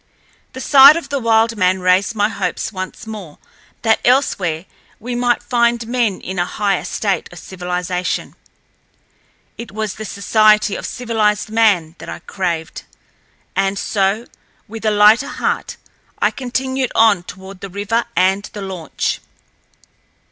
The sight of the wild man raised my hopes once more that elsewhere we might find men in a higher state of civilization—it was the society of civilized man that I craved—and so, with a lighter heart, I continued on toward the river and the launch.